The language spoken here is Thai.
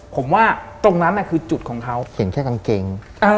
ผมว่าตรงนั้นคือจุดของเขาเห็นแค่กางเกง